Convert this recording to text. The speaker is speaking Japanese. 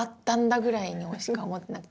ぐらいにしか思ってなくて。